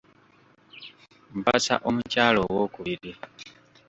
Mpasa omukyala owokubiri.